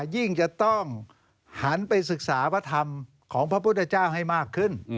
ยิ่งจะต้องหันไปศึกษาพระธรรมของพระพุทธเจ้าให้มากขึ้น